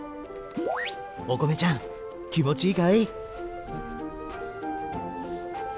おこめちゃんきもちいいかい？